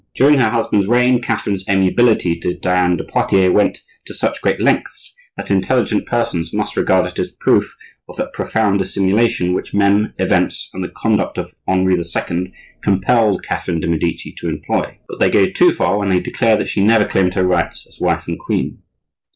During her husband's reign Catherine's amiability to Diane de Poitiers went to such great lengths that intelligent persons must regard it as proof of that profound dissimulation which men, events, and the conduct of Henri II. compelled Catherine de' Medici to employ. But they go too far when they declare that she never claimed her rights as wife and queen.